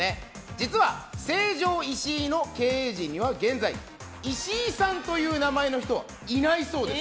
実は成城石井の経営陣には現在、石井さんという名前の人はいないそうです。